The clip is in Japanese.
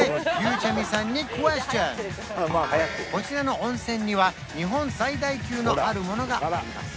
ここでこちらの温泉には日本最大級のあるものがあります